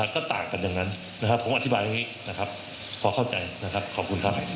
ก็ต่างกันอย่างนั้นผมอธิบายอย่างนี้ขอเข้าใจขอบคุณครับ